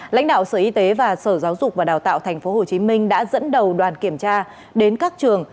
lãnh đạo sở y tế và sở giáo dục và đào tạo tp hcm đã dẫn đầu đoàn kiểm tra đến các trường